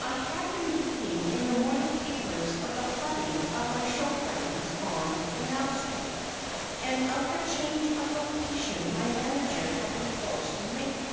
I had been reading in the morning papers of the flooding of my show grounds on Canal street, and of the change of location my manager had been forced to make.